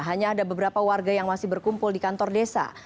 hanya ada beberapa warga yang masih berkumpul di kantor desa